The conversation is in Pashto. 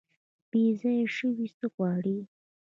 بیځایه شوي څه غواړي؟